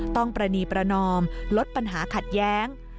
ประณีประนอมลดปัญหาขัดแย้ง